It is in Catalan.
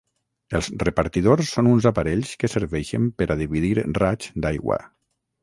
Els repartidors són uns aparells que serveixen per a dividir raigs d’aigua.